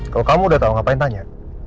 kalau kamu udah tahu ngapain tanya